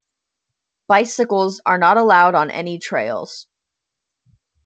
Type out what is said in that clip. Bicycles are not allowed on any trails.